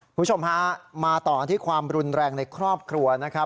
คุณผู้ชมฮะมาต่อกันที่ความรุนแรงในครอบครัวนะครับ